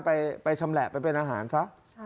ไปชำแหละไปเป็นอาหารซะ